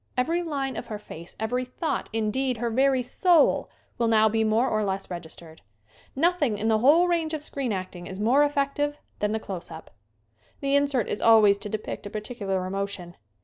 Every line of her face, every thought, indeed, her very soul, will now be more or less regis tered. Nothing, in the whole range of screen acting, is more effective than the close up. The insert is always to depict a particular emotion.